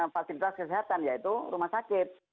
fasilitas kesehatan yaitu rumah sakit